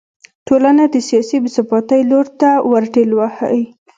ټولنه د سیاسي بې ثباتۍ لور ته ور ټېل وهي.